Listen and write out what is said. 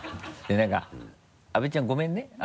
でなんか阿部ちゃんごめんね。